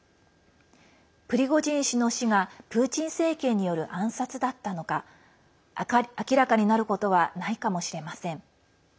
プリゴジン氏の死がプーチン政権による暗殺だったのか明らかになることはないかもしれません。